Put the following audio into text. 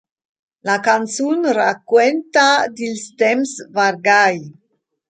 La canzun raquenta dils temps vargai.